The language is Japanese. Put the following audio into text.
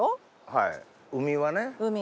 はい海はね。